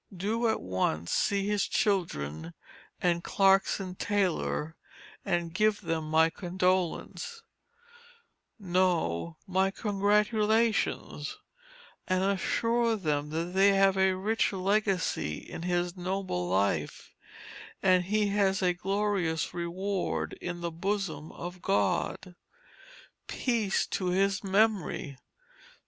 Do, at once, see his children and Clarkson Taylor, and give them my condolence, no, my congratulation, and assure them that they have a rich legacy in his noble life, and he has a glorious reward in the bosom of God. Peace to his memory!